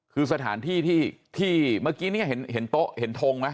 คือสถานที่ที่เมื่อกี้เนี่ยเห็นเห็นโต๊ะเนี่ยเห็นโธงมา